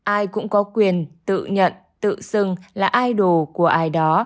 ai cũng có quyền tự nhận tự xưng là idol của ai đó